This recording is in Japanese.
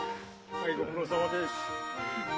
はいご苦労さまです。